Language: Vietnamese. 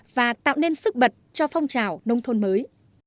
và tạo nên sức bật cho phong trào nông thôn mới